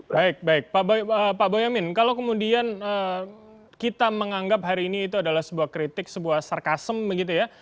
baik baik pak boyamin kalau kemudian kita menganggap hari ini itu adalah sebuah kritik sebuah sarkasem begitu ya